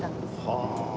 はあ。